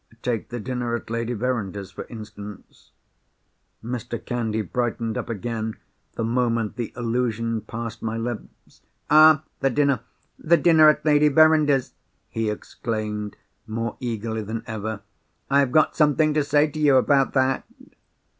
Take the dinner at Lady Verinder's, for instance——" Mr. Candy brightened up again, the moment the allusion passed my lips. "Ah! the dinner, the dinner at Lady Verinder's!" he exclaimed, more eagerly than ever. "I have got something to say to you about that."